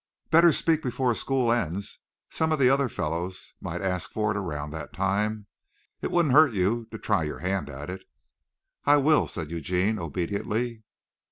"Better speak before school ends. Some of the other fellows might ask for it around that time. It wouldn't hurt you to try your hand at it." "I will," said Eugene obediently.